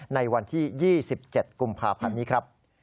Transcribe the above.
ในวันที่๒๗กุมภาพันธ์นี้ครับ